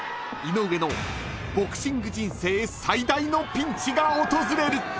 ［井上のボクシング人生最大のピンチが訪れる］